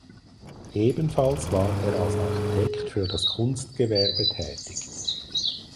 Ebenfalls war er als Architekt für das Kunstgewerbe tätig.